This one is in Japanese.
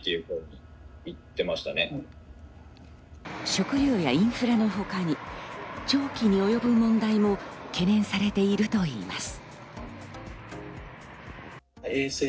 食料やインフラのほかに長期に及ぶ問題も懸念されているといいます。